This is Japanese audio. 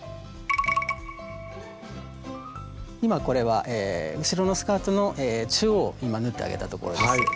これは後ろのスカートの中央今縫ってあげたところです。